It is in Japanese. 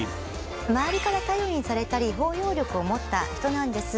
周りから頼りにされたり包容力を持った人なんですが。